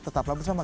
tetap lalu bersama